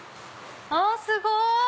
あっすごい！